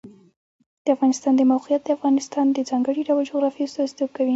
د افغانستان د موقعیت د افغانستان د ځانګړي ډول جغرافیه استازیتوب کوي.